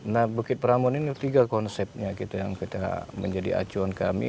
nah bukit pramun ini tiga konsepnya gitu yang menjadi acuan kami